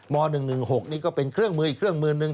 ม๑๑๖นี่ก็เป็นเครื่องมืออีกเครื่องมือหนึ่ง